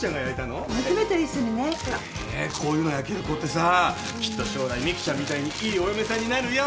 こういうの焼ける子ってさきっと将来美樹ちゃんみたいにいいお嫁さんになるよ。